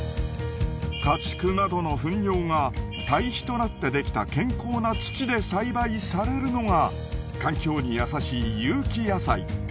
家畜などの糞尿が堆肥となって出来た健康な土で栽培されるのが環境に優しい有機野菜。